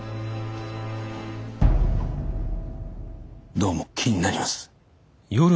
どうも気になります。